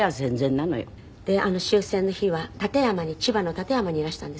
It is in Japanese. であの終戦の日は千葉の館山にいらしたんですって？